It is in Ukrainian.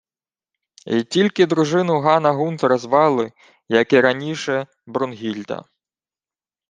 Й тільки дружину Гана-Гунтера звали, як і раніше, Брунгільда.